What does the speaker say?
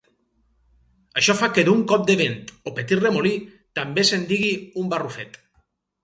Això fa que d'un cop de vent o petit remolí també se'n digui un barrufet.